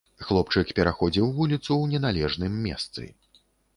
Хлопчык пераходзіў вуліцу ў неналежным месцы.